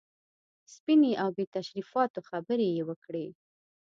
سپینې او بې تشریفاتو خبرې یې وکړې.